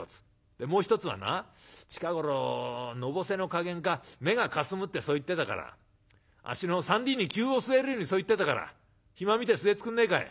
でもう一つはな近頃のぼせの加減か目がかすむってそう言ってたから足の三里に灸を据えるようにそう言ってたから暇見て据えつくんねえかい」。